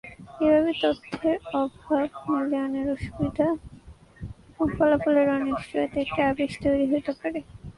এভাবে তথ্যের অভাব, মূল্যায়নের অসুবিধা এবং ফলাফলের অনিশ্চয়তা একটি আবেশ তৈরি হতে পারে।